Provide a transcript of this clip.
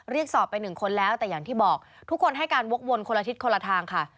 เรียกสอบไปหนึ่งคนแล้วแต่อย่างที่บอกทุกคนให้การวกวนคนละทิศคนละทางค่ะ